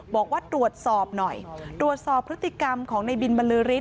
บอกว่าตรวจสอบหน่อยตรวจสอบพฤติกรรมของในบินบรรลือริส